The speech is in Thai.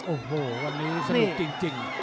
โอ้โหวันนี้สนุกจริง